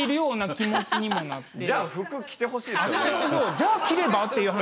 じゃあ着ればっていう話。